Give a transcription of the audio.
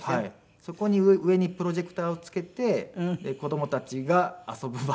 そこに上にプロジェクターを付けて子供たちが遊ぶ場所として。